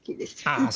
ああ